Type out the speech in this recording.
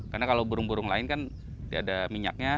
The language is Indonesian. karena kalau burung burung lain kan tidak ada minyaknya